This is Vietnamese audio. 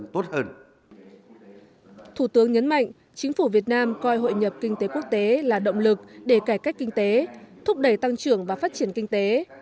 thủ tướng nhấn mạnh chính phủ việt nam coi hội nhập kinh tế quốc tế là động lực để cải cách kinh tế thúc đẩy tăng trưởng và phát triển kinh tế